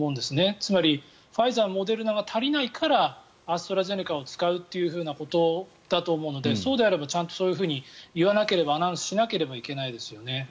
つまり、ファイザー、モデルナが足りないからアストラゼネカを使うということだと思うのでそうであればちゃんとそういうふうにアナウンスしなければいけないですよね。